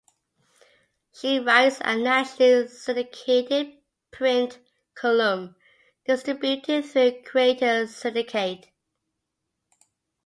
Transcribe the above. She writes a nationally syndicated print column distributed through Creators Syndicate.